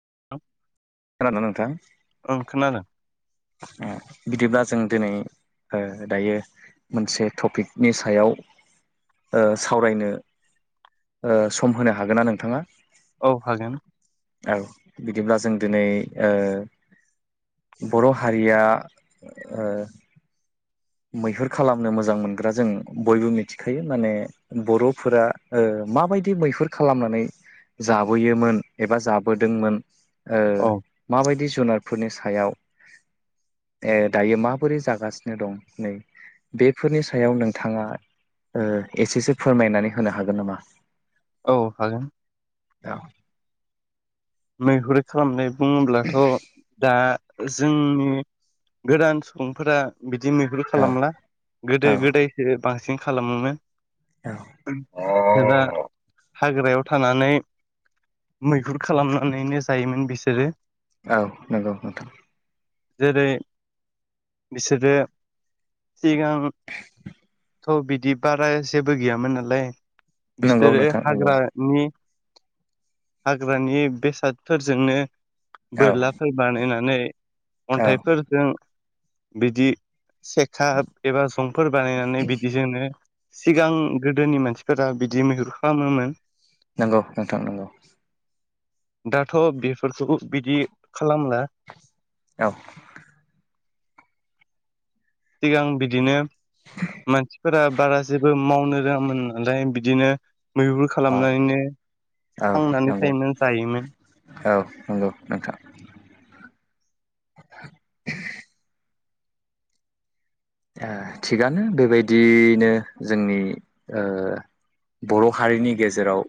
[inaudible] खोनादोंना नोंथां? औ खोनादों ओ बिदिब्ला जों दिनै ओ दायो मोनसे टपिकनि सायाव ओ सावरायनो ओ सम होनो हागोन ना नोंथाङा? औ हागोन औ बिदिब्ला जों दिनै ओ बर' हारिया ओ मैहुर खालामनो मोजां मोनग्रा जों बयबो मिथिखायो माने बर'फोरा ओ माबायदि मैहुर खालामनानै जाबोयोमोन एबा जाबोदोंमोन ओ औ माबायदि जुनारफोरनि सायाव ए दायो माबोरै जागासिनो दं नै बेफोरनि सायाव नोंथाङा ओ एसेसो फोरमायनानै होनो हागोन नामा? औ हागोन। औ मैहुर खालामनाय बुङोब्लाथ' दा जोंनि गोदान सुबुंफोरा बिद दि मैहुर औ खालामला औ गोदो गोदायसो बांसिन खालामोमोन। औ जेब्ला हाग्रायाव थानानै मैहुर खालामनानैनो जायोमोन बिसोरो। औ नंगौ नोंथां। जेरै बिसोरो सिगां थ' बिदि बारा जेबो गैयामोन नालाय। नंगौ बिसोरो नोंथां नंगौ हाग्रानि हाग्रानि बेसादफोरजोंनो औ बोरलाफोर बानायनानै औ अन्थाइफोरजों बिदि सेखा एबा जंफोर बानायनानै बिदिजोंनो सिगां गोदोनि मानसिफोरा बिदि मैहुर खालामोमोन। नोंगौ नोंथां नोंगौ। दाथ' बेफोरखौ बिदि खालामला औ सिगां बिदिनो मानसिफोरा बारा जेबो मावनो रोङामोन नालाय बिदिनो मैुर औ खालामनानैनो औ थांनानै नंगौ थायोमोन जायोमोन औ नंगौ नोंथां ओ थिगानो बेबायदियनो जोंनि ओ बर' हारिनि गेजेराव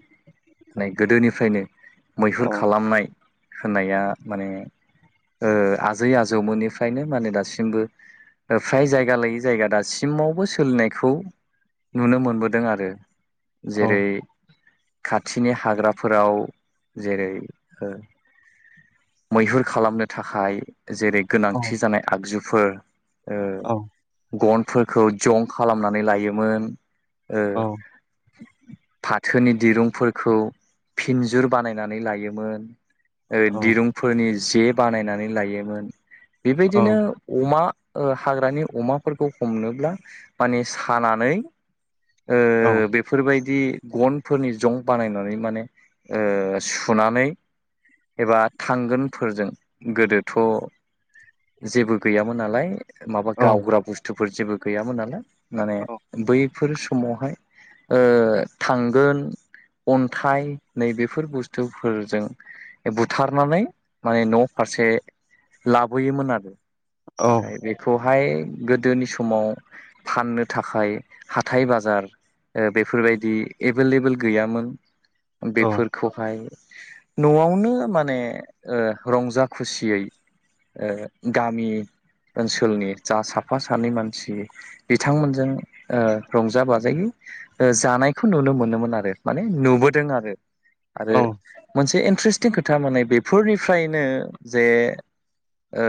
नै गोदोनिफ्रायनो मैहुर औ खालामनाय होननाया माने ओ आजै आजौमोननिफ्रायनो माने दासिमबो फ्राय जाय गा लायै जायगा दासिमावबो सोलिनायखौ नुनो मोनबोदों आरो औ जेरै खाथिनि हाग्राफोराव जेरै ओ मैहुर खालामनो थाखाय जेरै औ गोनांथि जानाय आगजुफोर ओ औ गनफोरखौ जं खालामनानै लायोमोन औ ओ फाथोनि दिरुंफोरखौ फिनजुर बानायनानै लायोमोन ओ औ दिरुंफोरनि जे बानायनानै लायोमोन औ बेबायदिनो अमा ओ हाग्रानि अमाफोरखौ हमनोब्ला माने सानानै औ ओ बेफोरबायद दि गनफोरनि जं बानायनानै माने ओ सुनानै एबा थांगोनफोरजों गोदोथ' जेबो गैयामोन नालाय माबा औ गावग्रा बुस्थुफोर जेबो गैयामोन नालाय माने औ बैफोर समावहाय ओ थांगोन अन्थाइ नै बेफोर बुस्थुफोरजों बुथारनानै माने न' फा से लाबोयोमोन आरो औ नाथाय बेखौहाय गो दोनि समाव फाननो थाखाय हाथाइ बाजार ओ बेफोरबायदि एभेलेबोेल गैयामोन औ बेफोरखौहाय न'आवनो माने ओ रंजा खुसियै ओ गामि ओनसोलनि जा सा फा सानै मानसि बिथांमोनजों ओ रंजा बाजायै ओ जानायखौ नु नो मोनोमोन आरो माने नुबोदों आरो आरो औ मोनसे एन थ्रेस्टिं खोथा माने बेफोरनिफ्रायनो जे ओ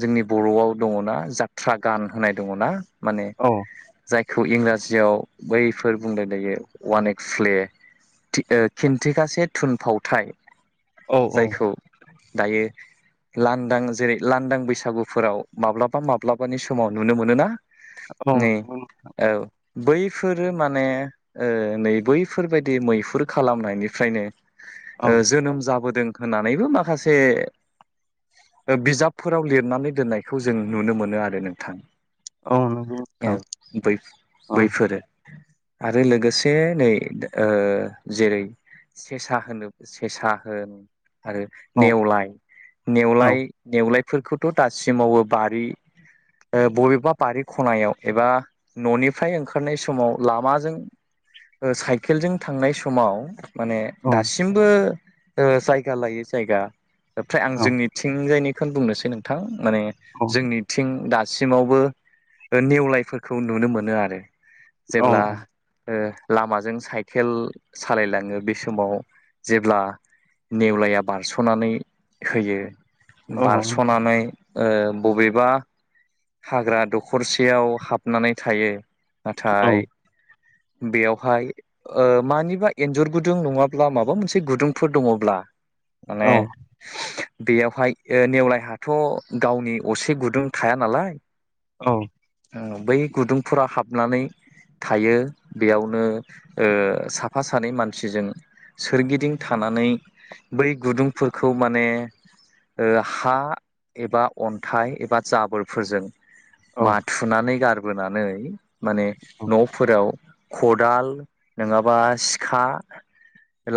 जोंनि बर'आव दङ'ना जा थ्रा गान होनाय दङ'ना माने जाय खौ इंराजियाव बैफोर बुंलायलायो वान एक्ट फ्ले थि ओ खिन्थिगासे थुनफावथाय औ औ जायखौ दायो लानदां जेरै लानदां बैसागुफोराव माब्लाबा माब ब्लाबानि समाव नुनो मोनोना नै औ बैफोरो माने ओ नै बैफोरबायदि मैहुर खालामनायनिफ्रायनो औ ओ जोनोम जाबोदों होननानैबो माखासे ओ बिजाबफोराव लिरनानै दोननायखौ जों नुनो मोनो नो आरो नोंथां औ नंगौ औ नोंथां बै औ बैफोरो आरो लोगोसे नैद ओ जेरै सेसा होनो सेसा होन आरो औ नेवलाय औ नेवलाय नेवलायफोरखौथ' दासिमावबो बारि [inaudible] ओ बबेबा बारि खनायाव एबा न'निफ्राय ओंखारनाय समाव लामाजों ओ साइकेलजों थांनाय समाव माने औ दासिमबो ओ जायगा लायो जायगा ओफ्राय आं औ जोंनिथिंजायनिखोन बुंनोसै नोंथां माने औ जोंनि। दासिमावबो ओ नेवलायफोरखौ नुनो मोनो आरो औ जेब्ला ओ लामाजों साइखेल सालायलाङो बे समाव जेब्ला नेवलाया बारस'नानै होयो। औ बारस'नानै ओ बबेबा हाग्रा दखरसेयाव हाबनानै थायो औ नाथाय बेयावहाय ओ मानिबा एन्जर गुदुं नङाब्ला माबा मोनसे गुदुंफोर दङब्ला [inaudible] औ माने बेयावहाय नेवलाय हाथ' गावनि असे गुदुं थाया नालाय औ उ बै गुदुंफोरा हाबनानै थायो बेयावनो ओ साफा सानै मानसिजों। सोरगिदिं थानानै बै गुदुंफोरखौ माने ओ हा एबा अन्थाइ एबा जाबोरफोरजों औ माथुनानै गारबोनानै माने न'फोराव खदाल नङाबा सिखा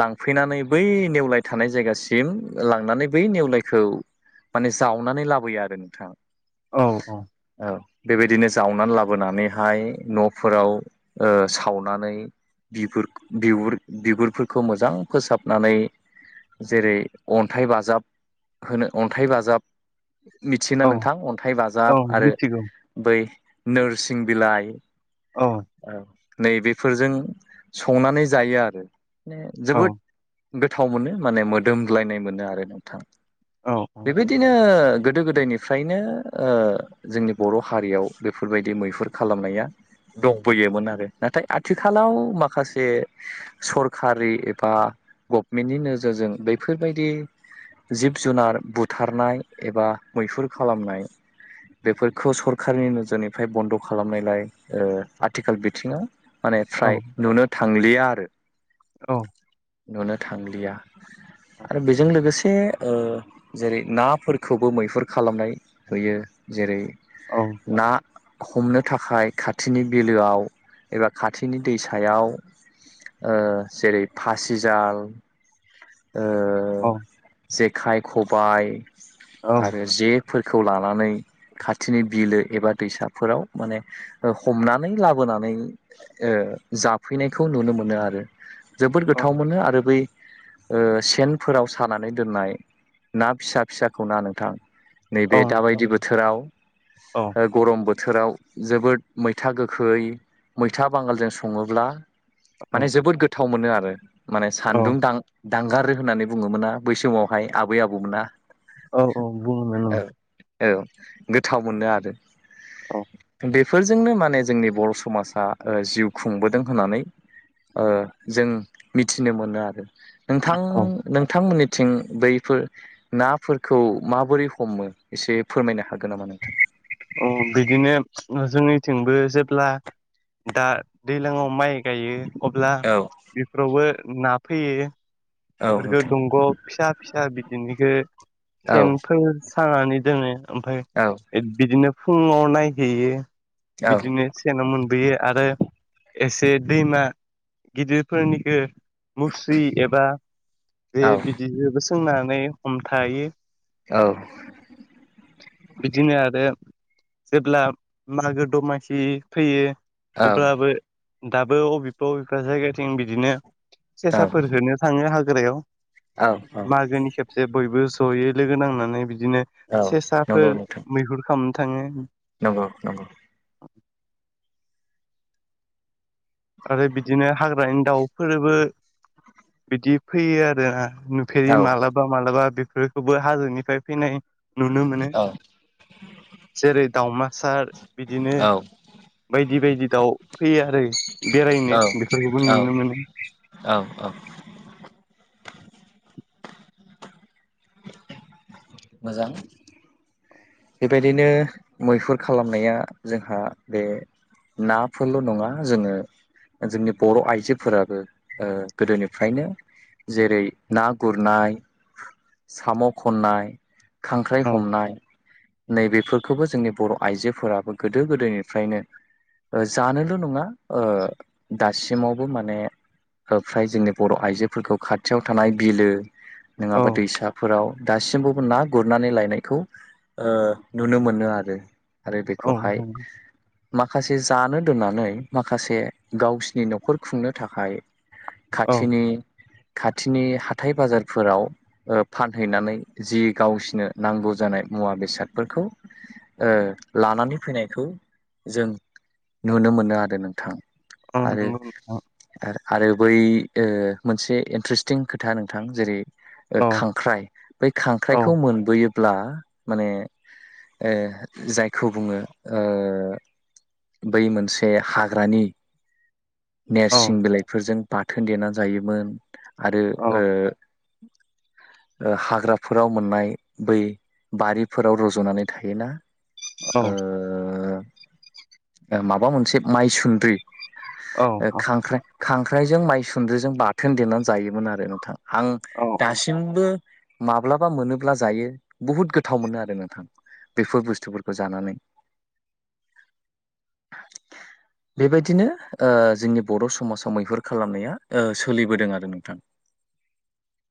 लांफैनानै बै नेवलाय थानाय जायगासिम लांनानै बै नेवलायखौ माने जावनानै लाबोयो आरो नोंथां। औ औ औ बेबायदिनो जावनानै लाबोनानैहाय न'फोराव ओ सावनानै। [unintelligible] बिगुर बिगुरफोरखौ मोजां फोसाबनानै जेरै अन्थाइ बाजाब होनो अन्थाइ बाजाब। मिथियोना औ नोंथां अन्थाइ औ बाजाब आरो मिथिगौ बै नोरसिं बिलाइ औ नै बेेफोरजों संनानै जायो आरो। मे औ जोबोद गोथाव मोनो माने मोदोमग्लायनाय मोनो आरो नोंथां औ औ बेबायदिनो गोदो गोदायनि फ्रायनो ओ जोंनि बर' हारियाव बेफोरबायदि मैहुर खालामनाया दंबोयोमोन आरो नाथाय आथिखालाव माखासे सरखारि एबा गभमेन्टनि नोजोरजों बैफोरबायदि जिब जुनार बुथारनाय एबा मैहुर खालामनाय बेफोरखौ सरखारारनि नोजोरनिफ्राय बन्द' खालामनायलाय ओ आथिखाल बिथिङाव। माने औ फ्राय नुनो थांलिया आरो। औ। नुनो थांलिया। आरो बेजों लोगोसे ओ जेरै नाफोरखौबो मैहुर खालामनाय होयो जेरै औ ना हमनो थाखाय खाथिनि बिलोआव एबा खाथिनि दैसायाव ओ जेरै फासिजाल ओ जेखाइ खबाय। औ आरो जेफोरखौ लानानै खाथिनि बिलो एबा दैसाफोराव माने हमनानै लाबोनानै ओ जाफैनायखौ नुनो मोनो आरो। जोबोद औ गोथाव मोनो आरो बै ओ सेनफोराव सानानै दोननाय ना फिसा फिसाखौ ना नोंथां। औ नैबे दाबायदि बोथोराव ओ गरम बो थोराव जोबोद मैथा गोखै मैथा बांगालजों सङोब्ला माने जोबोद गोथाव मोनो आरो माने सान्दुं दां दांगारो होननानै बुङोमोना बै समावहाय आबै आबौमोना। औ औ बुङोमोन औ ओं। औ गोथाव मोनो आरो। औ बेफोरजोंनो माने जोंनि बर' समाजा ओ जिउ खुंबोदों होननानै ओ जों मिथिनो मोनो आरो। नोंथां औ नोंथांमोननिथिं बैफोर नाफोरखौ माबोरै हमो एसे फोरमायनो हागोन नामा नोंथां? अ बैदिनो ओ जोंनिथिंबो जेब्ला दा दैलांआव माइ गायो अब्ला औ बेफोरावबो ना फैयो। औ बेफोरखो नोंथां दंग' फिसा फि जा बिदिनिखो औ सेनफोर सानानै दोनो ओमफाय औ बिदिनो फुङाव नायहैयो औ बिदिनो सेनाव मोनबोयो आरो एसे दैमा गिदिरफोरनिखो मुस्रि एबा जे औ बिदिजोबो सोंनानै हमथायो । औ बिदिनो आरो जेब्ला मागो दमासि फैयो औ अब्लाबो दाबो अबेबा अबेबा जायगा थिं बिदिनो सेसाफोर होनो थाङो हाग्रायाव औ मागोनि खेबसे बयबो जयै लोगो नांनानै बिदिनो औ सेसा फोर नंगौ नोंथां मैहुर खामनो थाङो । नंगौ नंगौ। आरो बिदिनो हाग्रानि दाउफोरबो बिदि फैयो आरो हा नुफेरि औ मालाबा मालाबा बेफोरखौबो हाजोनिफाय फैनाय नुनो मोनो। औ जेरै दावमासार बिदिनो बायदि बायदि दाउ फैयो आरो। बेरायनो औ बेफोरखौबो नुनो मोनो । औ औ मोजां। बेबायदिनो मैहुर खालामनाया जोंहा बे नाफोरल' नङा जोङो जोंनि बर' आइजोफोराबो ओ गोदोनिफ्रायनो जेरै ना गुरनाय साम' खननाय खांख्राइ औ हमनाय नैबेफोरखोबो जोंनि बर' आइजोफोराबो गोदो गोदायनिफ्रायनो ओ जानोल' नङा ओ दासिमावबो माने हो फ्राय जोंनि बर' आइजोफोरखौ खाथियाव थानाय बिलो औ नोङाबा दैसाफोराव दासिमबावबो ना गुरनानै लायनायखौ ओ नुनो मोनो आरो आरो औ बेखौहाय नंगौ माखासे जानो दोननानै माखासे गावसिनि न'खर खुंनो थाखाय औ खाथिनि खाथिनि हाथाय बाजारफोराव ओ फानहैनानै जि गावसिनो नांगौ जानाय मुवा बेसादफोरखौ ओ लानानै ओ फैनायखौ जों नुनो मोनो आरो नोंथां। ओं आरो नोंगौ नोंथां। आरो बै ओ मोनसे इन्ट्रेस्टिं खोथा नोंथां जेरै ओ औ खांख्राइ बै औ खांख्राइखौ मोनबोयोब्ला माने ओ जायखौ बुङो ओ बै मोनसे हाग्रानि औ नेरसिं बिलाइफोरजों बाथोन देनानै जायोमोन आरो औ ओ ओ हाग्राफोराव मोननाय बै बारिफोराव रज'नानै थायोना औ ओ माबा मोनसे माइसुन्द्रि औ खांख्रा खांख्राइ ख्रायजों माइ सुन्द्रिजों बाथोन देनानै जायोमोन आरो नोंथां आं औ औ दासिमबो माब्लाबा मोनोब्ला जायो बुहुत गो थाव मोनो आरो नोंथां बेफोर बुस्थुफोरखौ जानानै । [inaudible] बेबायदिनो ओ जोंनि बर' समाजाव मैहुर खालामनाया ओ सोलिबोदों आरो नोंथां । [inaudible]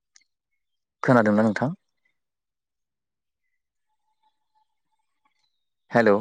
खोनादोंना नोंथां? हेलौ